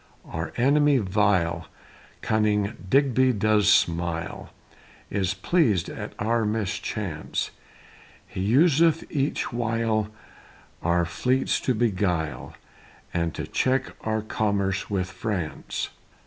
Our enemy vile, Cunning Digby does smile, Is pleasèd at our mischance; He useth each wile Our fleets to beguile, And to check our commerce with France.